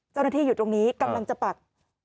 เจ้าหน้าที่อยู่ตรงนี้กำลังจะปัก